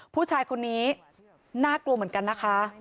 ผู้ชายคนนี้น่ากลัวเหมือนกันนะคะ